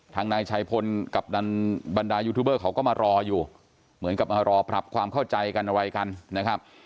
นายชัยพลกับดันบรรดายูทูบเบอร์เขาก็มารออยู่เหมือนกับมารอปรับความเข้าใจกันอะไรกันนะครับ